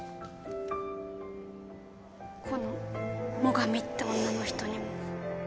この最上って女の人にも。